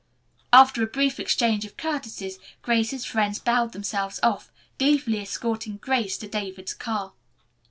After a brief exchange of courtesies Grace's friends bowed themselves off, gleefully escorting Grace to David's car.